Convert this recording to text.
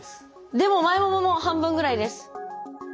でも前ももも半分ぐらいです。